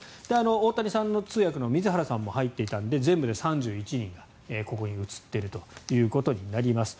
大谷さんの通訳の水原さんも入っていたので全部で３１人がここに写っているということになります。